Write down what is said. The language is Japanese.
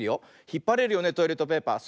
ひっぱれるよねトイレットペーパー。